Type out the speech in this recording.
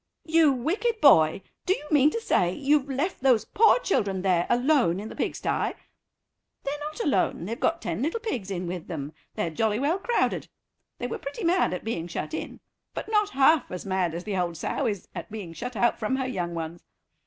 "You wicked boy, do you mean to say you've left those poor children there alone in the pigstye?" "They're not alone, they've got ten little pigs in with them; they're jolly well crowded. They were pretty mad at being shut in, but not half as mad as the old sow is at being shut out from her young ones.